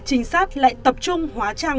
trinh sát lại tập trung hóa trang